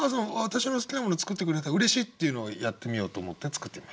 私の好きなものを作ってくれた嬉しい」っていうのをやってみようと思って作ってみました。